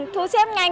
thu xếp nhanh